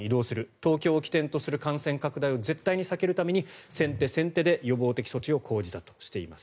東京を起点とする感染拡大を絶対に避けるために先手先手で予防的措置を講じたということです。